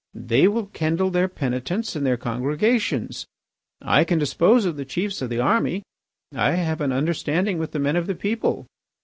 They will kindle their penitents and their congregations. I can dispose of the chiefs of the army; I have an understanding with the men of the people.